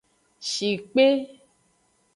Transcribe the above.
Shikpe.